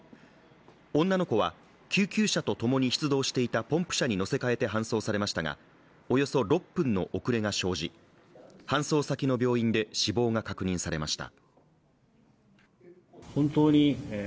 女の子は救急車とともに出動していたポンプ車に乗せ替えて搬送されましたが、およそ６分の遅れが生じ搬送先の病院で死亡が確認されました。